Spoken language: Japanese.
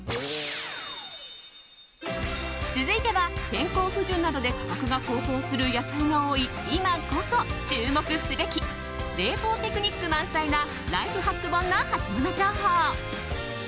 続いては、天候不順などで価格が高騰する野菜が多い今こそ注目すべき冷凍テクニック満載なライフハック本のハツモノ情報。